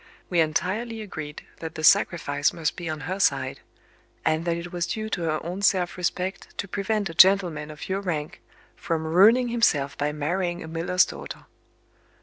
We entirely agreed that the sacrifice must be on her side; and that it was due to her own self respect to prevent a gentleman of your rank from ruining himself by marrying a miller's daughter."